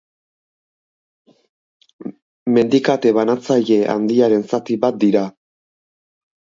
Mendikate Banatzaile Handiaren zati bat dira.